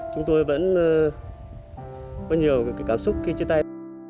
chúng tôi vẫn có nhiều cảm xúc khi chia tay